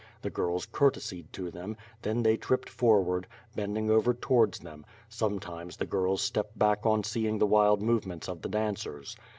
The girls courtesied to them; then they tripped forward, bending over towards them; sometimes, the girls stepped back on seeing the wild movements of the dancers.